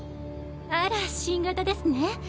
あら新型ですね？